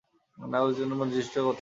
অবচেতন মন জিনিসটির অবস্থান কোথায়?